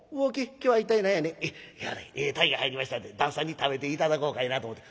「今日はねええ鯛が入りましたんで旦さんに食べて頂こうかいなと思て。